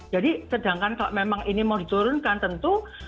jadi sedangkan kalau memang ini mau diturunkan tentu